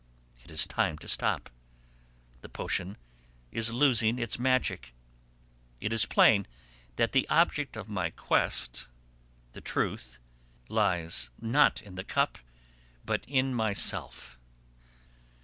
It is time to stop; the potion is losing its magic. It is plain that the object of my quest, the truth, lies not in the cup but in myself.